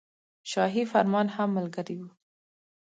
شاهي فرمان هم ملګری وو.